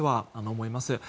思います。